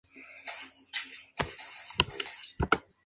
Defensor quedó en segundo lugar en el Torneo Apertura, detrás de Peñarol.